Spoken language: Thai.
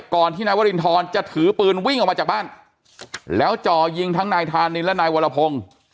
ก่อนที่นายวรินทรจะถือปืนวิ่งออกมาจากบ้านแล้วจ่อยิงทั้งนายธานินและนายวรพงศ์